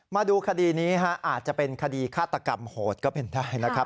มาดูคดีนี้อาจจะเป็นคดีฆาตกรรมโหดก็เป็นได้นะครับ